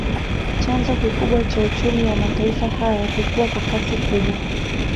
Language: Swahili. Chanzo kikubwa cha uchumi wa mataifa haya kukua kwa kasi kubwa